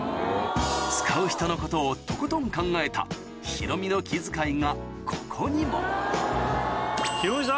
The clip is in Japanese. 使う人のことをとことん考えたヒロミの気遣いがここにもヒロミさん